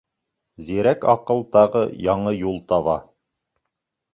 Зирәк аҡыл тағы яңы юл таба.